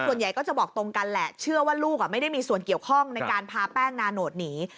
ส่วนใหญ่ก็จะบอกตรงกันแหละเชื่อว่าลูกไม่ได้มีส่วนเกี่ยวข้องในการพาแป้งนาโนดหนี